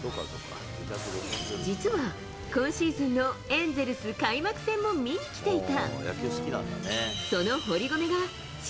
実は、今シーズンのエンゼルス開幕戦も見に来ていた。